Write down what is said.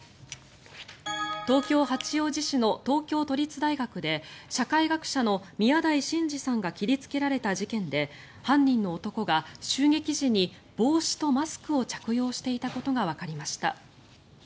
東京・八王子市の東京都立大学で社会学者の宮台真司さんが切りつけられた事件で犯人の男が襲撃時に帽子とマスクを着用していたことがわかりました。